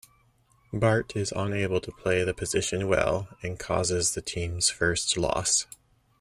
Bart is unable to play the position well and causes the team's first loss.